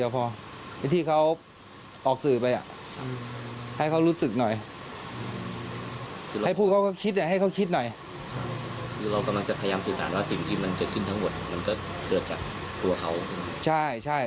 พอที่เขาออกสื่อมาอย่างรู้สึกหน่อยให้พูดเขาคิดให้เขาคิดหน่อย